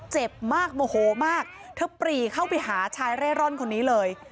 เจ็บมากโมโหมากเธอปรีเข้าไปหาชายเร่ร่อนคนนี้เลย